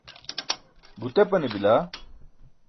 gutepane bila